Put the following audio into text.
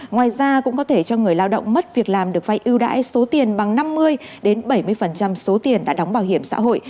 ngoài ra cũng có thể cho người lao động mất việc làm được vay ưu đãi số tiền bằng năm mươi bảy mươi số tiền đã đóng bảo hiểm xã hội